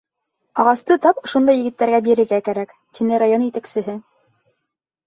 — Ағасты тап ошондай егеттәргә бирергә кәрәк, — тине район етәксеһе.